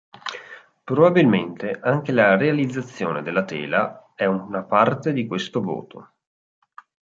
Probabilmente anche la realizzazione della tela è una parte di questo voto.